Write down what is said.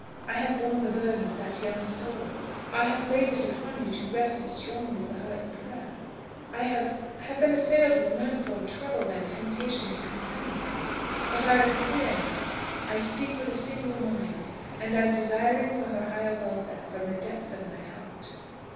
I have borne the burden of that young soul; I have had it laid upon me to wrestle strongly for her in prayer; I have have been assailed with manifold troubles and temptations concerning her. But I am clear now. I speak with a single mind, and as desiring her higher welfare from the depths of my heart."